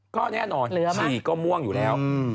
ก็แน่นอนฉี่ก็ม่วงอยู่แล้ว